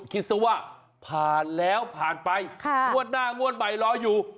คิดสิว่าผ่านแล้วผ่านไปโน่นหน้าโน่นใบล้ออยู่